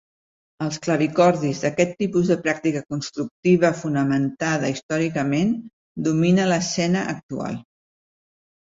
Els clavicordis d'aquest tipus de pràctica constructiva fonamentada històricament domina l'escena actual.